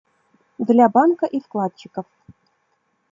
Для банка и вкладчиков.